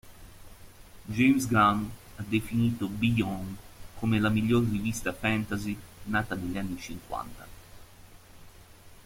James Gunn ha definito "Beyond" come la miglior rivista fantasy nata negli anni cinquanta.